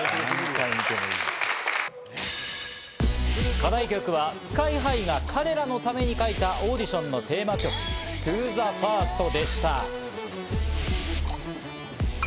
課題曲はＳＫＹ−ＨＩが彼らのために書いたオーディションのテーマ曲『ＴｏＴｈｅＦｉｒｓｔ』でした。